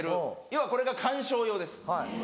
要はこれが観賞用です。